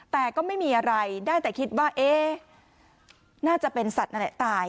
แต่ก็ไม่มีอะไรได้แต่คิดว่าเอ๊ะน่าจะเป็นสัตว์นั่นแหละตาย